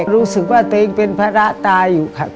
รู้สึกว่าตัวเองเป็นภาระตายอยู่ครับ